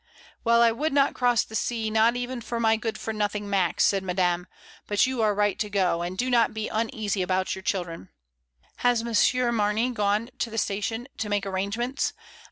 "Well, I would not cross the sea, not even for my good for nothing Max," said Madame, "but you are right to go; and do not be uneasy about your children. Has Monsieur Mamey gone to the station to make arrangements?